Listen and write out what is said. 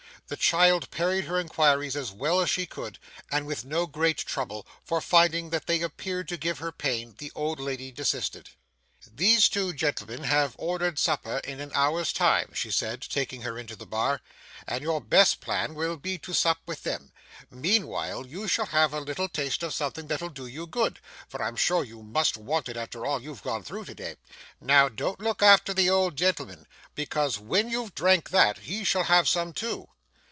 The child parried her inquiries as well as she could, and with no great trouble, for finding that they appeared to give her pain, the old lady desisted. 'These two gentlemen have ordered supper in an hour's time,' she said, taking her into the bar; 'and your best plan will be to sup with them. Meanwhile you shall have a little taste of something that'll do you good, for I'm sure you must want it after all you've gone through to day. Now, don't look after the old gentleman, because when you've drank that, he shall have some too.